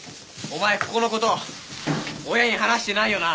お前ここの事親に話してないよな？